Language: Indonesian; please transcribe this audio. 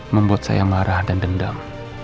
membuat saya marah dan dendam